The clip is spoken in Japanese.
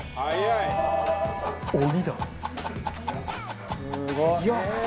鬼だ！